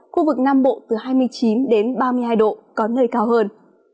khu vực nam bộ từ hai mươi chín đến ba mươi hai độ có nơi cao hơn